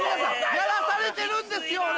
やらされてるんですよ俺！